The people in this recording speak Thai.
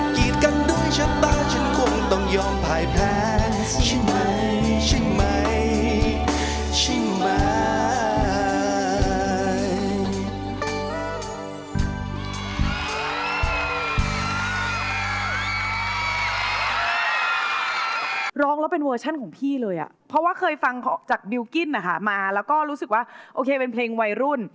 กีดกันด้วยผู้พาสูงชั้นลับตาฉันไม่หวั่นไหว